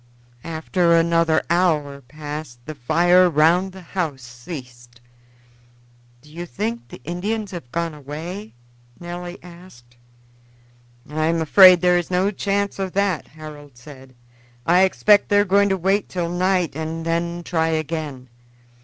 After another hour passed the fire round the house ceased. "Do you think the Indians have gone away?" Nelly asked. "I am afraid there is no chance of that," Harold said. "I expect they are going to wait till night and then try again.